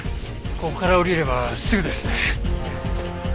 ここから下りればすぐですね。